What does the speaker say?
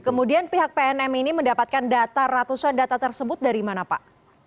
kemudian pihak pnm ini mendapatkan data ratusan data tersebut dari mana pak